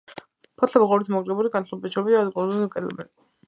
ფოთლები ღეროზე მორიგეობითაა განლაგებული, მჯდომარეა ან ყუნწიანი, კიდემთლიანი.